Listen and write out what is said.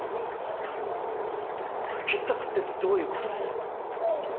決着ってどういうことです？